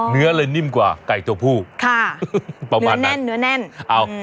อ๋อเนื้อเลยนิ่มกว่าไก่ตัวผู้ค่ะประมาณนั้นเนื้อแน่นเนื้อแน่นเอ้า